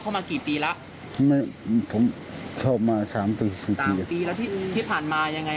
เขามากี่ปีแล้วไม่ผมชอบมา๓ปีแล้วที่ผ่านมายังไง